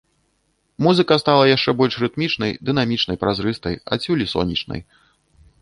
Музыка стала яшчэ больш рытмічнай, дынамічнай, празрыстай, адсюль і сонечнай.